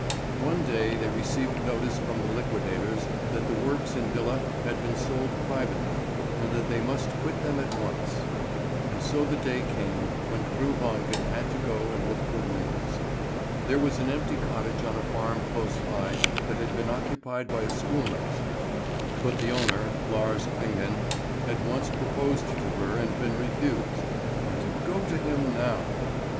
One day they received notice from the liquidators that the works and villa had been sold privately, and that they must quit them at once. And so the day came when Fru Wangen had to go and look for rooms. There was an empty cottage on a farm close by that had been occupied by a schoolmaster; but the owner, Lars Kringen, had once proposed to her and been refused; and to go to him now